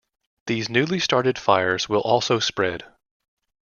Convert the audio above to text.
These newly started fires will also spread.